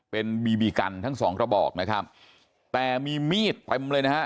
เป็นบีบีกันทั้งสองกระบอกนะครับแต่มีมีดเต็มเลยนะฮะ